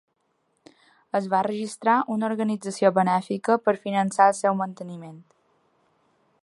Es va registrar una organització benèfica per finançar el seu manteniment.